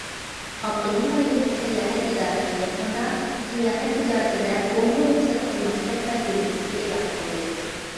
ئاپتونوم رايونلۇق ساياھەت ئىدارىسى يېقىندا‹‹ ساياھەت تىجارىتىدە ئونغا رۇخسەت قىلماسلىق›› بەلگىلىمىسىنى ئېلان قىلدى.